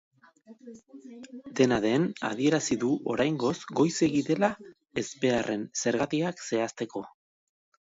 Dena den, adierazi du oraingoz goizegi dela ezbeharraren zergatiak zehazteko.